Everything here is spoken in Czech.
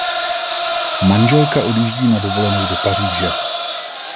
Manželka odjíždí na dovolenou do Paříže.